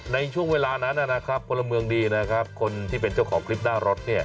ในช่วงเวลานั้นหัวละเมืองดีคนที่เป็นเจ้าของคลิปหน้ารถ